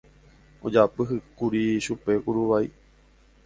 ojapyhýkuri chupe kuruvai